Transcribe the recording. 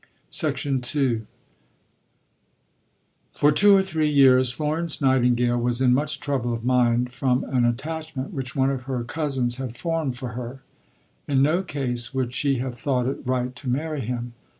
Fraser's Magazine, May 1873. II For two or three years Florence Nightingale was in much trouble of mind from an attachment which one of her cousins had formed for her. In no case would she have thought it right to marry him.